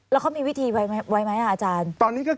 แล้วเขามีวิธีไว้ไหมอาจารย์